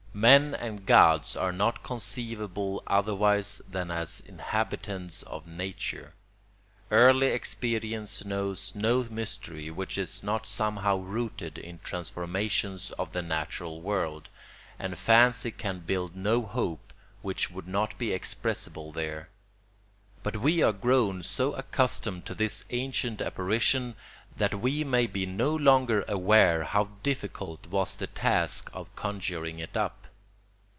Men and gods are not conceivable otherwise than as inhabitants of nature. Early experience knows no mystery which is not somehow rooted in transformations of the natural world, and fancy can build no hope which would not be expressible there. But we are grown so accustomed to this ancient apparition that we may be no longer aware how difficult was the task of conjuring it up.